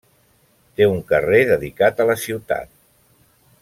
Té un carrer dedicat a la ciutat.